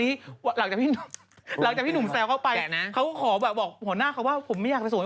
นี่อยากอารมณ์เสียคนตรง